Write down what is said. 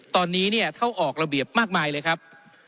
ตอนนี้เนี่ยเข้าออกระเบียบมากมายเลยครับ